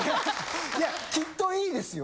いやきっと良いですよ。